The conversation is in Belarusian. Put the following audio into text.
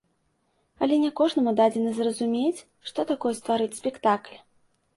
Але не кожнаму дадзена зразумець, што такое стварыць спектакль.